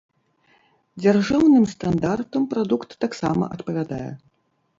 Дзяржаўным стандартам прадукт таксама адпавядае.